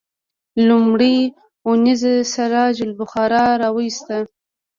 لومړۍ اونیزه سراج الاخبار راوویسته.